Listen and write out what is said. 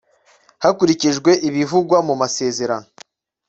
hakurikijwe ibivugwa mu masezerano